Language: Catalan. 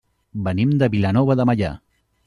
Venim de Vilanova de Meià.